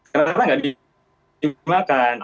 karena rata rata tidak dipakai